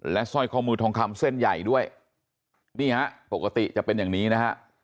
สร้อยข้อมือทองคำเส้นใหญ่ด้วยนี่ฮะปกติจะเป็นอย่างนี้นะฮะ